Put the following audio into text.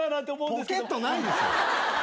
ポケットないです。